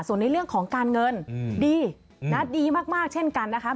ส่วนในเรื่องของการเงินดีดีมากเช่นกันนะคะ